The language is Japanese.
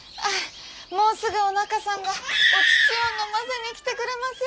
もうすぐお仲さんがお乳を飲ませに来てくれますよ！